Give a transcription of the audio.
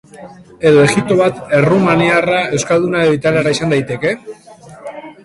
Edo, ijito bat errumanaiarra, euskalduna edo italiarra izan daiteke?